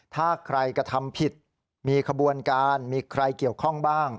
ถ้าใครกระทำผิดมีขบวนการมีใครเกี่ยวข้องบ้าง